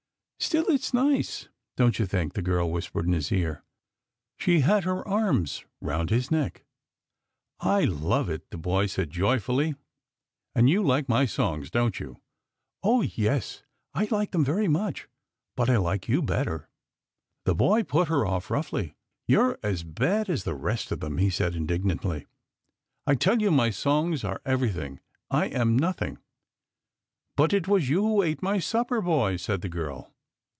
" Still it's nice, don't you think ?" the girl whispered in his ear. She had her arms round his neck. " I love it," the boy said joyfully ;" and you like my songs, don't you ?"" Oh, yes, I like them very much, but I like you better." The boy put her off roughly. " You're as bad as the rest of them," he said indignantly. " I tell you my songs are every thing, I am nothing." " But it was you who ate my supper, boy," said the girl.